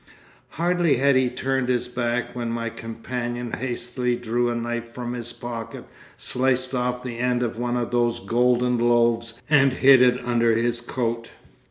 Hardly had he turned his back when my companion hastily drew a knife from his pocket, sliced off the end of one of those golden loaves, and hid it under his coat.